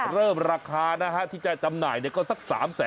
เริ่มราคาที่จะจำหน่ายก็สัก๓๕๐๐๐๐